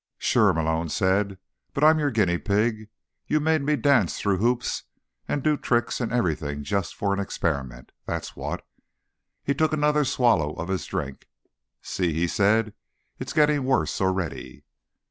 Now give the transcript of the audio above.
"Sure," Malone said. "But I'm your guinea pig. You made me dance through hoops and do tricks and everything just for an experiment. That's what." He took another swallow of his drink. "See?" he said. "It's getting worse already."